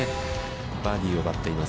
バーディーを奪っています。